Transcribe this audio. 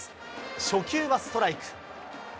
初球はストライク。